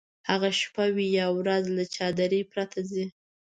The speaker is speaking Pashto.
هغه شپه وي یا ورځ له چادرۍ پرته ځي.